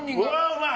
うまい！